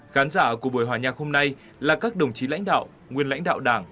khán giả của buổi hòa nhạc hôm nay là các đồng chí lãnh đạo nguyên lãnh đạo đảng